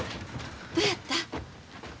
どやった？